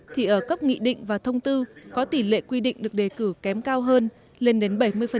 thì ở cấp nghị định và thông tư có tỷ lệ quy định được đề cử kém cao hơn lên đến bảy mươi